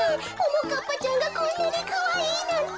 ももかっぱちゃんがこんなにかわいいなんて。